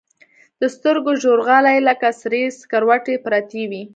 د سترګو ژورغالي لكه سرې سكروټې پرتې وي.